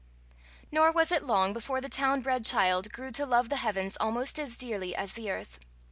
Nor was it long before the town bred child grew to love the heavens almost as dearly as the earth.